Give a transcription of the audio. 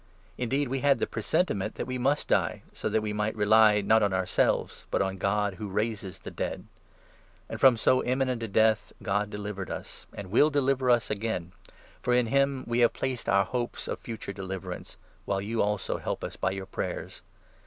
Indeed, we had the presentiment that we must die, so that we 9 might rely, not on ourselves, but on God who raises the dead. And from so imminent a death God delivered us, and will 10 deliver us again ; for in him we have placed our hopes of future deliverance, while you, also, help us by your prayers.